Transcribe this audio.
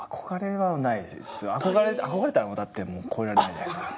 憧れたら超えられないじゃないですか。